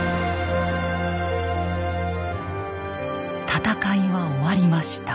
戦いは終わりました。